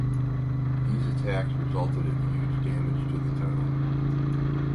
These attacks resulted in huge damage to the town.